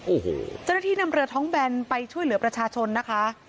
โอ้โหเจ้าหน้าที่นำเรือท้องแบนไปช่วยเหลือประชาชนนะคะ